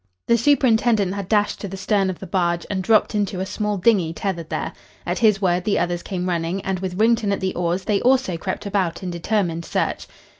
The superintendent had dashed to the stern of the barge and dropped into a small dinghy tethered there. At his word the others came running, and with Wrington at the oars they also crept about in determined search.